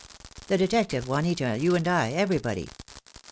The detective, Juanita, you and I, everybody.